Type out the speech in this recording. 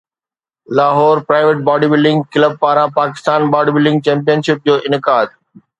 Lahore private body building club پاران Pakistan body building championship جو انعقاد